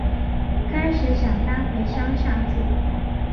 开始想搬回乡下住